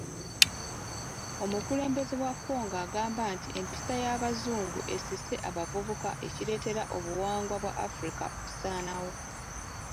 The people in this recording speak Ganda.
Omukulembeze wa Kwonga agamba nti empisa y'abazungu esise abavubuka ekireetera obuwangwa bwa Africa okusaanawo.